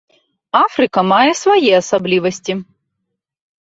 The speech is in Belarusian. Афрыка мае свае асаблівасці.